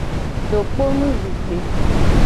Dokponu zikpe.